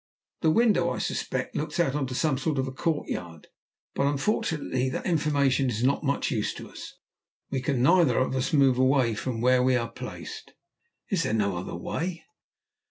The window, I suspect, looks out on to some sort of a courtyard. But unfortunately that information is not much use to us, as we can neither of us move away from where we are placed." "Is there no other way?"